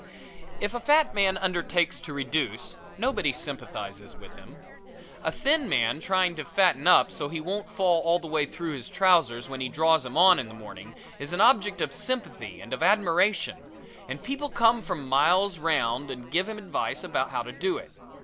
If a fat man undertakes to reduce nobody sympathizes with him. A thin man trying to fatten up so he won't fall all the way through his trousers when he draws 'em on in the morning is an object of sympathy and of admiration, and people come from miles round and give him advice about how to do it.